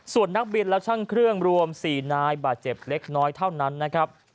ส่วนนักบินและช่างเครื่องรวม๔นายบาดเจ็บเล็กน้อยเท่านั้นนะครับ